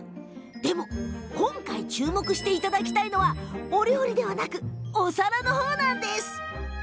でも、今回注目していただきたいのはお料理ではなくお皿の方なんです。